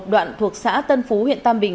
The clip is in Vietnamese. đoạn thuộc xã tân phú huyện tam bình